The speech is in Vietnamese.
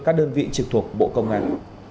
các đơn vị trực thuộc bộ công an